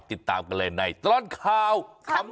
ติดตามกันเลยในตลอดข่าวขำ